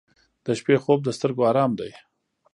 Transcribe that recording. • د شپې خوب د سترګو آرام دی.